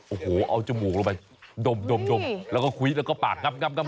โอ้โหเอาจมูกลงไปดมดมดมแล้วก็คุยแล้วก็ปากกับกับกับ